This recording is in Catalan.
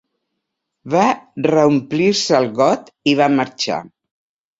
Va reomplir-se el got i va marxar.